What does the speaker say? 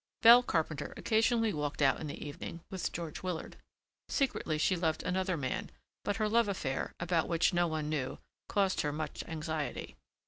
Belle Carpenter occasionally walked out in the evening with George Willard. Secretly she loved another man, but her love affair, about which no one knew, caused her much anxiety.